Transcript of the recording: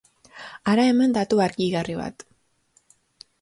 Hara hemen datu argigarri bat.